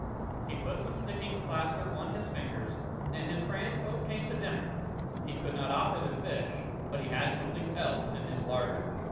He put some sticking plaster on his fingers, and his friends both came to dinner. He could not offer them fish, but he had something else in his larder.